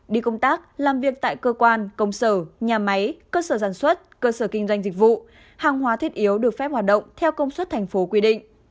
đi công tác làm việc tại cơ quan công sở nhà máy cơ sở sản xuất cơ sở kinh doanh dịch vụ hàng hóa thiết yếu được phép hoạt động theo công suất thành phố quy định